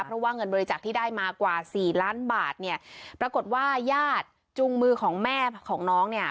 เพราะว่าเงินบริจาคที่ได้มากว่าสี่ล้านบาทเนี่ยปรากฏว่าญาติจุงมือของแม่ของน้องเนี่ย